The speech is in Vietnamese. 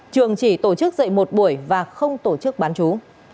trường chỉ tổ chức dạy một buổi và không tổ chức bán chú